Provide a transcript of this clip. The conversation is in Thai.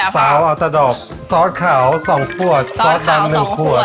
สาวอัตฎบซอสขาว๒ขวดซอสดำ๑ขวด